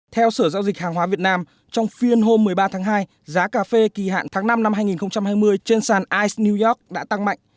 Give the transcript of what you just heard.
theo sở giao dịch hàng hóa việt nam trong phiên hôm một mươi ba tháng hai giá cà phê kỳ hạn tháng năm năm hai nghìn hai mươi trên sàn ice new york đã tăng mạnh